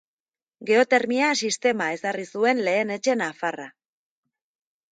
Geotermia sistema ezarri zuen lehen etxe nafarra.